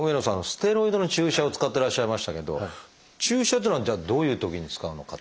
ステロイドの注射を使ってらっしゃいましたけど注射っていうのはじゃあどういうときに使うのか。